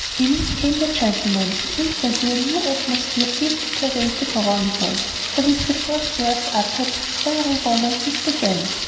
In came the gentlemen, and instantly a new atmosphere seemed to pervade the drawing room, for with the first words uttered, several romances began.